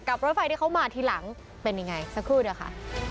รถไฟที่เขามาทีหลังเป็นยังไงสักครู่เดี๋ยวค่ะ